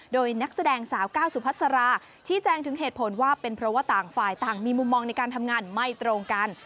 โดยนักแสดงสาวก้าวสุพัสราชี้แจงถึงเหตุผลว่าเป็นเพราะว่าต่างฝ่ายต่างมีมุมมองในการทำงานไม่ตรงกัน